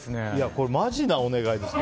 これ、マジなお願いですか。